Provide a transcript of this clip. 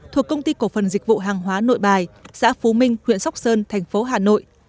thuộc công ty cổ phần dịch vụ hàng hóa nội bài xã phú minh huyện sóc sơn tp hcm